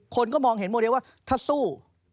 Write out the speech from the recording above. คนก็มองเห็นโมเดลว่าถ้าสู้